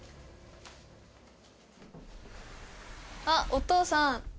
あっお父さん